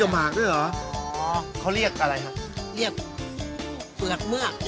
เบลือกเมือก